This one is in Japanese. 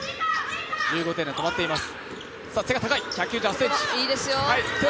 １５点で止まっています。